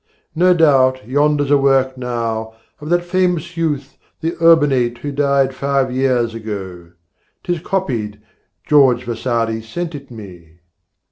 ' No doubt. Yonder's a work now, of that famous youth The Urbinate who died five years ago. ('Tis copied, George Vasari sent it me.)